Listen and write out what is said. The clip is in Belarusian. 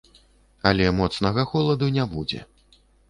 Але моцнага холаду не будзе.